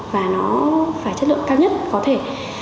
và nó phải chất lượng cao nhất có thể